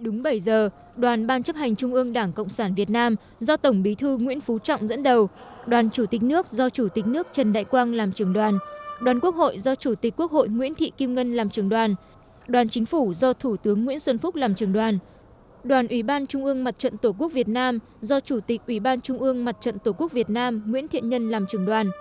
đúng bảy giờ đoàn ban chấp hành trung ương đảng cộng sản việt nam do tổng bí thư nguyễn phú trọng dẫn đầu đoàn chủ tịch nước do chủ tịch nước trần đại quang làm trường đoàn đoàn quốc hội do chủ tịch quốc hội nguyễn thị kim ngân làm trường đoàn đoàn chính phủ do thủ tướng nguyễn xuân phúc làm trường đoàn đoàn ủy ban trung ương mặt trận tổ quốc việt nam do chủ tịch ủy ban trung ương mặt trận tổ quốc việt nam nguyễn thiện nhân làm trường đoàn